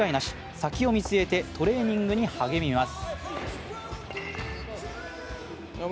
先を見据えてトレーニングに励みます。